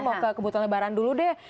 mau ke kebutuhan lebaran dulu deh